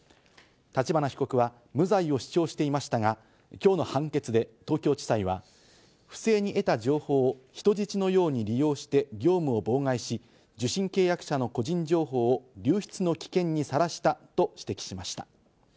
立花被告は無罪を主張していましたが、今日の判決で東京地裁は不正に得た情報を人質のように利用して業務を妨害し、受信契約者の個人情報を流出の危険にさらしたと指摘しました。